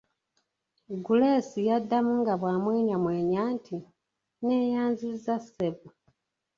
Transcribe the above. Guleesi yaddamu nga bw'amwenyamwenya nti: "neeyanziza ssebo"